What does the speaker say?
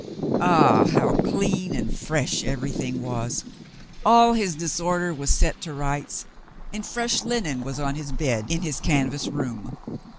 Ah, how clean and fresh everything was ! All his disorder was set to rights, and fresh linen was on his bed in his canvas room.